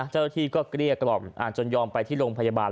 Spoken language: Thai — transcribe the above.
เจ้าหน้าที่ก็เกลี้ยกล่อมจนยอมไปที่โรงพยาบาล